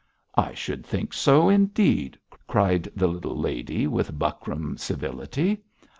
'I should think so indeed!' cried the little lady, with buckram civility.